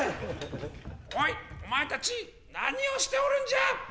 おいお前たち何をしておるんじゃ！